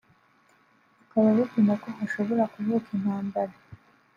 bakaba babona ko hashobora kuvuka intambara